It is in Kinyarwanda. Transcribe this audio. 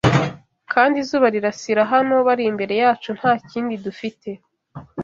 kandi izuba rirasira; Hano bari imbere yacu - ntakindi dufite